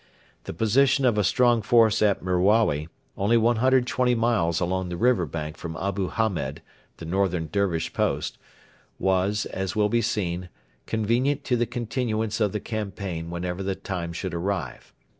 The position of a strong force at Merawi only 120 miles along the river bank from Abu Hamed, the northern Dervish post was, as will be seen, convenient to the continuance of the campaign whenever the time should arrive.